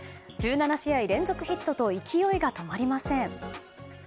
１７試合連続ヒットと勢いが止まりません。